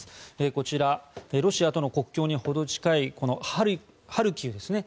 こちら、ロシアとの国境にほど近いハルキウですね